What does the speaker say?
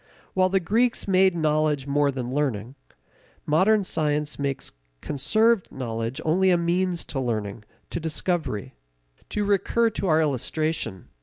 While the Greeks made knowledge more than learning, modern science makes conserved knowledge only a means to learning, to discovery. To recur to our illustration.